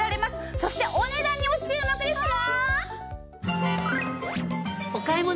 そしてお値段にも注目ですよ！